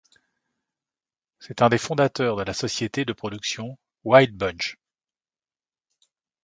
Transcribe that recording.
C'est un des fondateurs de la société de production Wild Bunch.